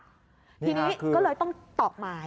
ทีนี้ก็เลยต้องตอบหมาย